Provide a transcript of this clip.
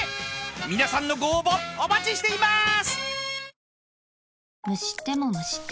［皆さんのご応募お待ちしています］